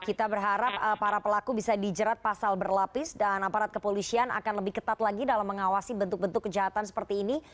kita berharap para pelaku bisa dijerat pasal berlapis dan aparat kepolisian akan lebih ketat lagi dalam mengawasi bentuk bentuk kejahatan seperti ini